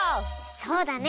そうだね！